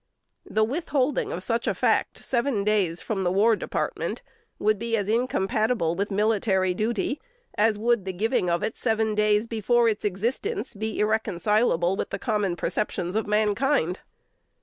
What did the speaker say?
The withholding of such fact seven days from the War Department would be as incompatible with military duty as the giving it seven days before its existence, is irreconcilable with the common perceptions of mankind.